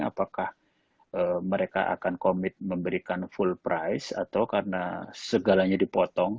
apakah mereka akan komit memberikan full price atau karena segalanya dipotong